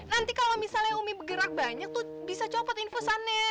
nanti kalau misalnya umi bergerak banyak tuh bisa copot infusannya